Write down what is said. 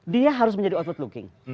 dia harus menjadi outward looking